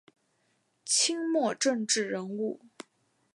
清末政治人物。